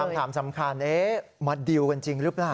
คำถามสำคัญมาดิวกันจริงหรือเปล่า